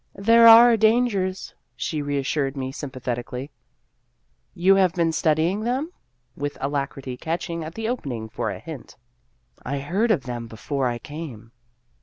" There are dangers," she reassured me sympathetically. " You have been studying them ?" with alacrity catching at the opening for a hint. " I heard of them before I came."